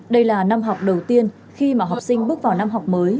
đây là năm học đầu tiên khi mà học sinh bước vào năm học mới